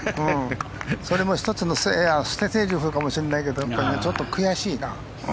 それも１つの捨てゼリフかもしれないけどちょっと悔しいな。